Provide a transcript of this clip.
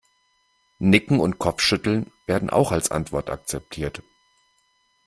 Nicken und Kopfschütteln werden auch als Antwort akzeptiert.